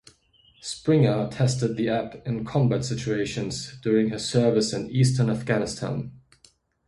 Springer tested the app in combat situations during his service in eastern Afghanistan.